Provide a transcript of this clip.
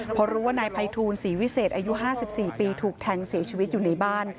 พอรู้ว่านายภัยทูลศรีวิเศษอายุ๕๔ปีถูกแทงเสียชีวิตอยู่ในบ้าน